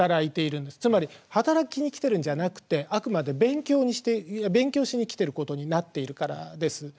つまり働きに来てるんじゃなくてあくまで勉強しに来ていることになっているからです。